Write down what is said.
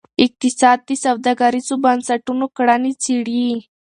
اقتصاد د سوداګریزو بنسټونو کړنې څیړي.